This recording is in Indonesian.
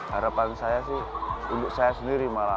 harapan saya sih untuk saya sendiri malah